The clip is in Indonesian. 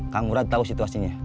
kang ura tau situasinya